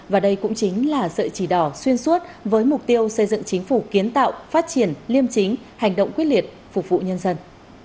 và đây cũng chính là sợi chỉ đỏ xuyên suốt với mục tiêu xây dựng chính phủ kiến tạo phát triển liêm chính hành động quyết liệt phục vụ nhân dân